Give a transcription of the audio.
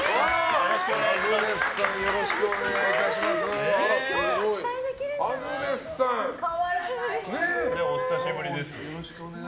よろしくお願いします。